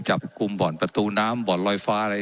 เจ้าหน้าที่ของรัฐมันก็เป็นผู้ใต้มิชชาท่านนมตรี